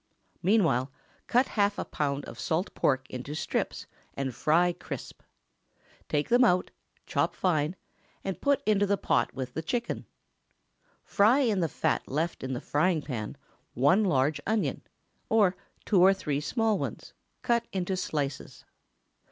Meanwhile, cut half a pound of salt pork into strips, and fry crisp. Take them out, chop fine, and put into the pot with the chicken. Fry in the fat left in the frying pan one large onion, or two or three small ones, cut into slices.